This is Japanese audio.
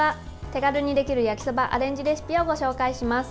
手軽にできる焼きそばアレンジレシピをご紹介します。